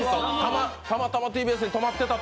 たまたまＴＢＳにとまってたと。